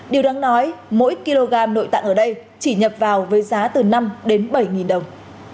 điều đáng nói mỗi kg nội tạng ở đây chỉ nhập vào với giá từ năm đến bảy đồng